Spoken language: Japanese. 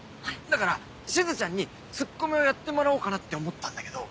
だからしずちゃんにツッコミをやってもらおうかなって思ったんだけど。